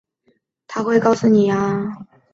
她会告诉你